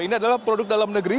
ini adalah produk dalam negeri